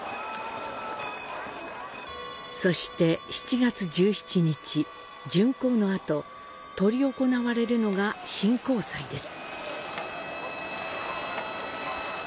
そして７月１７日、巡行のあと執り行われるのが神幸祭です。